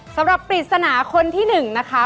สำหรับปริศนาคนที่๑นะคะ